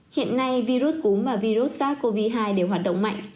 hiện nay virus cúm và virus sars cov hai đều hoạt động mạnh